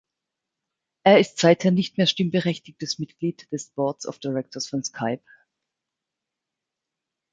Er ist seither nicht mehr stimmberechtigtes Mitglied des Board of Directors von Skype.